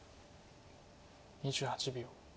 ２８秒。